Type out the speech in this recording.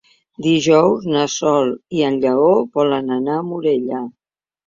Dijous na Sol i en Lleó volen anar a Morella.